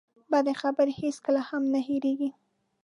بدې خبرې هېڅکله هم نه هېرېږي.